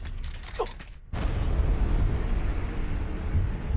あっ！